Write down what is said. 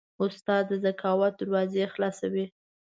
استاد د ذکاوت دروازه خلاصوي.